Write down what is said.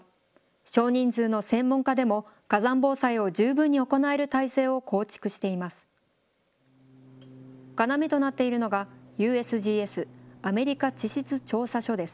少人数の専門家でも、火山防災を十分に行える体制を構築しています。